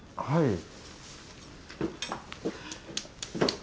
はい。